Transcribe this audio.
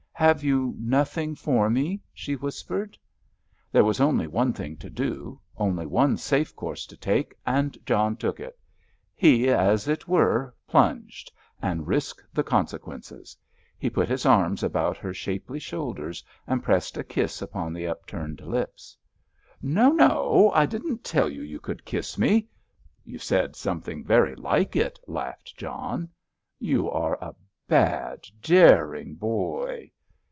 "Have you nothing for me?" she whispered. There was only one thing to do, only one safe course to take, and John took it. He, as it were, plunged, and risked the consequences. He put his arms about her shapely shoulders and pressed a kiss upon the upturned lips. "No, no! I didn't tell you you could kiss me!" "You said something very like it!" laughed John. "You are a bad, daring boy."